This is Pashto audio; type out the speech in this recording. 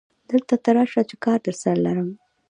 دلته ته راشه چې کار درسره لرم